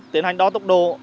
tiến hành đo tốc độ